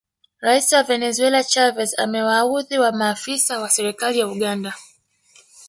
Rais wa Venezuela Chavez amewaudhi maafisa wa serikali ya Uganda